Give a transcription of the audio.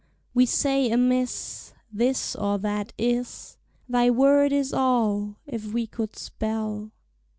We say amisse This or that is: Thy word is all, if we could spell.